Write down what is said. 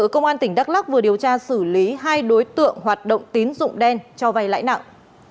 hình sự công an tỉnh đắk lắk vừa điều tra xử lý hai đối tượng hoạt động tín dụng đen cho vay lãi nặng